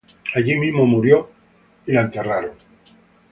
Allí mismo murió y fue enterrada.